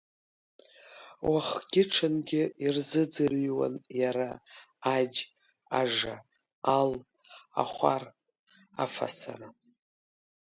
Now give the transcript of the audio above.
Уахгьы-ҽынгьы ирзыӡырҩуан иара аџь, ажа, ал, ахәар, афасара.